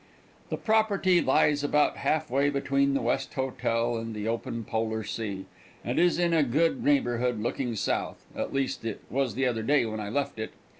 The property lies about half way between the West Hotel and the open Polar Sea, and is in a good neighborhood, looking south; at least it was the other day when I left it.